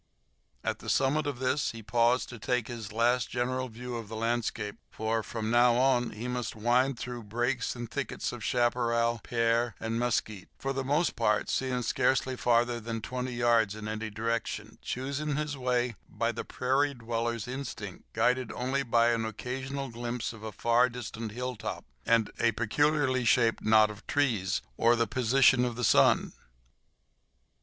At the summit of this he paused to take his last general view of the landscape for, from now on, he must wind through brakes and thickets of chaparral, pear, and mesquite, for the most part seeing scarcely farther than twenty yards in any direction, choosing his way by the prairie dweller's instinct, guided only by an occasional glimpse of a far distant hilltop, a peculiarly shaped knot of trees, or the position of the sun.